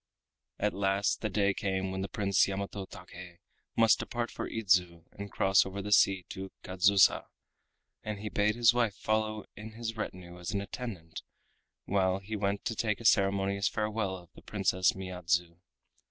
At last the day came when the Prince Yamato Take must depart for Idzu and cross over the sea to Kadzusa, and he bade his wife follow in his retinue as an attendant while he went to take a ceremonious farewell of the Princess Miyadzu.